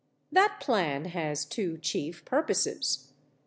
That plan has two chief purposes.